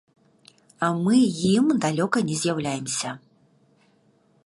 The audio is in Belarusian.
А мы ім далёка не з'яўляемся.